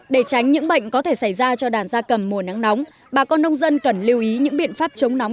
để tránh những bệnh có thể xảy ra cho đàn gia cầm mùa nắng nóng bà con nông dân cần lưu ý những biện pháp chống nóng